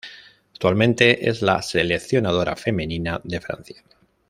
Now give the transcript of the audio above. Actualmente es la seleccionadora femenina de Francia.